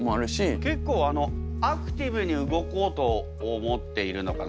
結構あのアクティブに動こうと思っているのかな？